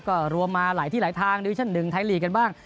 ก็รวมมาหลายที่หลายทางดิวิชั่นหนึ่งไทยลีกกันบ้าง